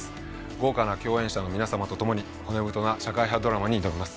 豪華な共演者の皆さまと共に骨太な社会派ドラマに挑みます